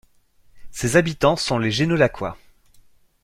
Ses habitants sont les Génolhacois.